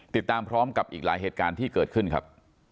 ติดตามพร้อมกับอีกหลายเหตุการณ์ที่เกิดขึ้นครับ